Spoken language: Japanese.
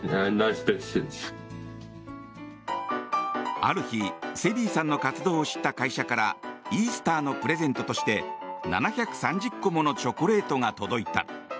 ある日、セビーさんの活動を知った会社からイースターのプレゼントとして７３０個ものチョコレートが届いた。